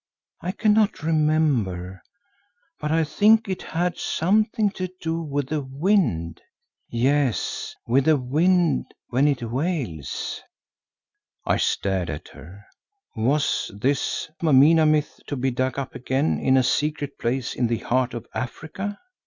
I cannot remember, but I think it had something to do with the wind, yes, with the wind when it wails." I stared at her. Was this Mameena myth to be dug up again in a secret place in the heart of Africa?